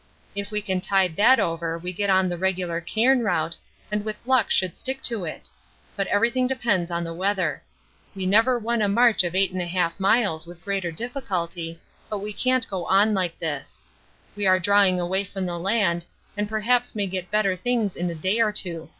If we can tide that over we get on the regular cairn route, and with luck should stick to it; but everything depends on the weather. We never won a march of 8 1/2 miles with greater difficulty, but we can't go on like this. We are drawing away from the land and perhaps may get better things in a day or two.